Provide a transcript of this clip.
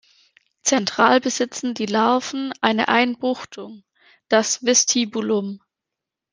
Zentral besitzen die Larven eine Einbuchtung, das Vestibulum.